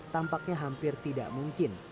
tampaknya hampir tidak mungkin